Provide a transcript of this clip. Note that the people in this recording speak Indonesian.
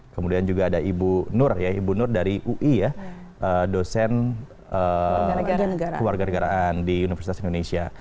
kemudian juga ada ibu nur ya ibu nur dari ui ya dosen keluarga negaraan di universitas indonesia